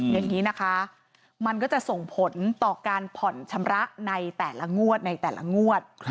อย่างนี้นะคะมันก็จะส่งผลต่อการผ่อนชำระในแต่ละงวดในแต่ละงวด